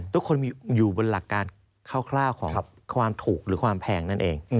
ทุกคนมีอยู่บนหลักการคร่าวของความถูกหรือความแพงนั่นเอง